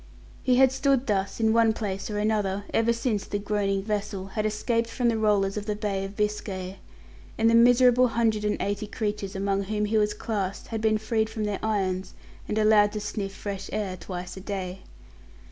He had stood thus, in one place or another, ever since the groaning vessel had escaped from the rollers of the Bay of Biscay, and the miserable hundred and eighty creatures among whom he was classed had been freed from their irons, and allowed to sniff fresh air twice a day.